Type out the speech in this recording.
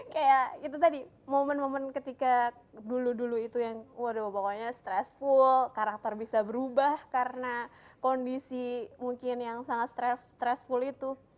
kayak itu tadi momen momen ketika dulu dulu itu yang waduh pokoknya stressful karakter bisa berubah karena kondisi mungkin yang sangat stressful itu